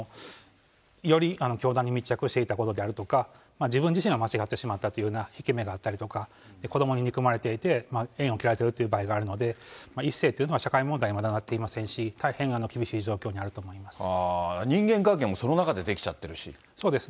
より教団に密着していたことであるとか、自分自身が間違ってしまったというような引け目があったりとか、子どもに憎まれていて縁を切られているという場合があるので、１世というのは社会問題にもまだなっていませんし、大変厳しい状況人間関係もその中で出来ちゃそうです。